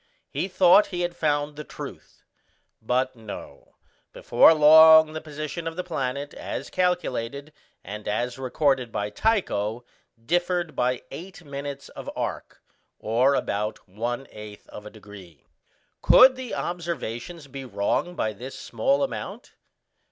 He thought he had found the truth; but no, before long the position of the planet, as calculated, and as recorded by Tycho, differed by eight minutes of arc, or about one eighth of a degree. Could the observation be wrong by this small amount?